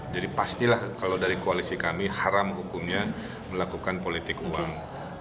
jadi pastilah kalau dari koalisi kami haram hukumnya melakukan politik uang